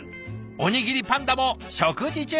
おにぎりパンダも食事中！